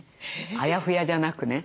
あやふやじゃなくね。